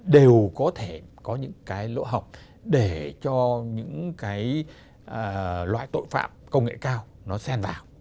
đều có thể có những cái lỗ hỏng để cho những cái loại tội phạm công nghệ cao nó sen vào